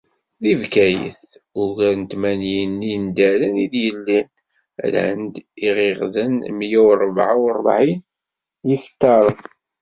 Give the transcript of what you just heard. Di Bgayet, ugar n tmanyin n yindaren i d-yellan, rran d iɣiɣden mya u rebεa u rebεin n yiktaren.